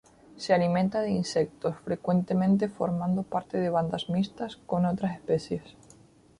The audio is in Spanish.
Se alimenta de insectos, frecuentemente formando parte de bandas mixtas con otras especies.